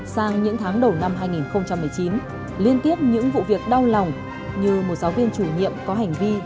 sang những tháng đầu năm hai nghìn một mươi chín liên tiếp những vụ việc đau lòng như một giáo viên chủ nhiệm có hành vi